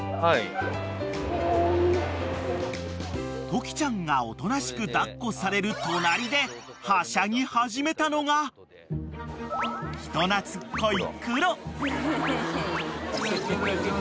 ［トキちゃんがおとなしく抱っこされる隣ではしゃぎ始めたのが人懐っこい］